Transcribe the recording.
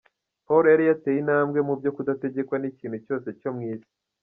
Pawulo yari yarateye intambwe mu byo kudategekwa n’ikintu cyose cyo mu isi.